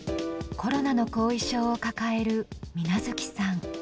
コロナの後遺症を抱える水無月さん。